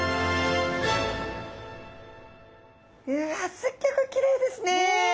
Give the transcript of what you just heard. うわっすっギョくきれいですね！ね。